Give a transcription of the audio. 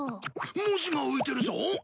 文字が浮いてるぞ？